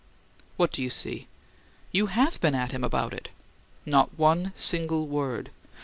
"What do you see?" "You HAVE been at him about it!" "Not one single word!"